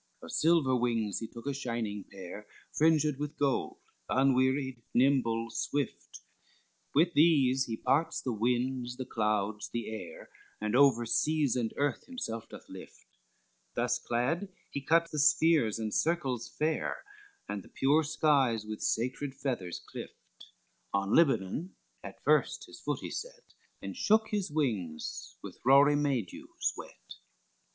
XIV Of silver wings he took a shining pair, Fringed with gold, unwearied, nimble, swift; With these he parts the winds, the clouds, the air, And over seas and earth himself doth lift, Thus clad he cut the spheres and circles fair, And the pure skies with sacred feathers clift; On Libanon at first his foot he set, And shook his wings with rory May dews wet.